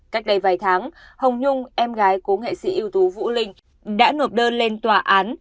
cách đây vài tháng hồng nhung em gái cố nghệ sĩ ưu tú vũ linh đã nộp đơn lên tòa án